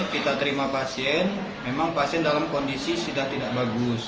kita terima pasien memang pasien dalam kondisi sudah tidak bagus